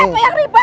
siapa yang ribet